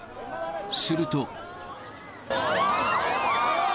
すると。